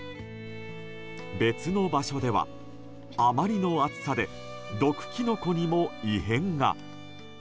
別の場所では、あまりの暑さで毒キノコにも異変が。